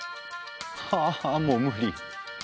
ははあもう無理！